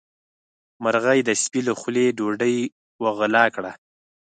مرغۍ د سپي له خولې ډوډۍ وغلا کړه.